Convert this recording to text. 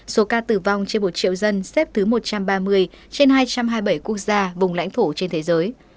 số ca tử vong trên một triệu dân xếp thứ một trăm ba mươi trên hai trăm hai mươi bảy quốc gia vùng lãnh thổ trên thế giới